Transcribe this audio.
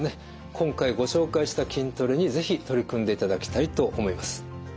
今回ご紹介した筋トレに是非取り組んでいただきたいと思います。